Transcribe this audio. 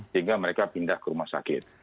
sehingga mereka pindah ke rumah sakit